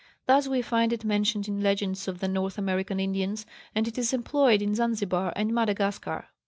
Thus we find it mentioned in legends of the North American Indians and it is employed in Zanzibar and Madagascar.